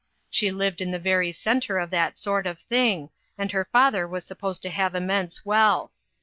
She lived in the very centre of that sort of thing, and her father was sup posed to have immense wealth.